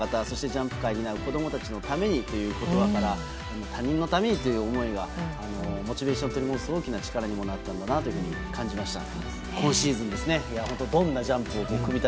ジャンプ界を担う子供たちのためにという言葉から他人のためにという思いがモチベーションをまた取り戻す大きな力にもなったんだなと感じました。